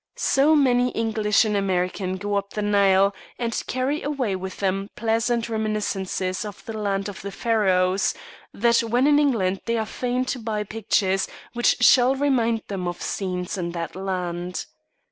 So many English and Americans go up the Nile, and carry away with them pleasant reminiscences of the Land of the Pharaohs, that when in England they are fain to buy pictures which shall remind them of scenes in that land.